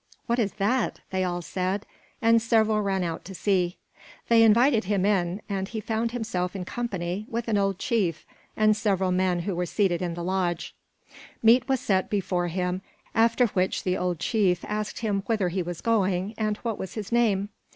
"What is that?" they all said and several ran out to see. They invited him in, and he found himself in company with an old chief and several men who were seated in the lodge. Meat was set before him; after which the old chief asked him whither he was going and what was his name.